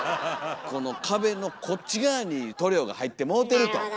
この壁のこっち側に塗料が入ってもうてると。